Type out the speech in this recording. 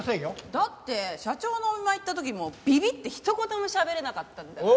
だって社長のお見舞い行った時もビビってひと言もしゃべれなかったんだから。